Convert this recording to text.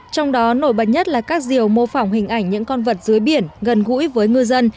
trong đó nổi bật nhất là các rìu mô phỏng hình ảnh những con vật dưới biển gần gũi với ngư dân